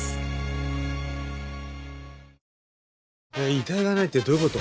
遺体がないってどういう事？